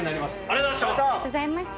ありがとうございます。